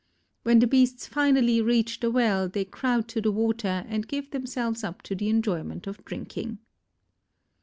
When the beasts finally reach the well they crowd to the water and give themselves up to the enjoyment of drinking.